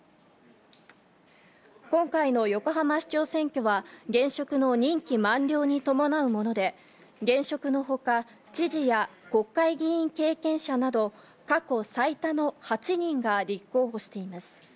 今回の横浜市長選挙は、現職の任期満了に伴うもので、現職のほか、知事や国会議員経験者など、過去最多の８人が立候補しています。